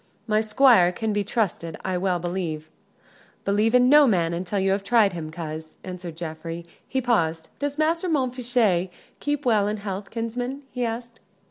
My squire can be trusted, I well believe." "Believe in no man until you have tried him, coz," answered Geoffrey. He paused. "Does Master Montfichet keep well in health, kinsman?" he asked.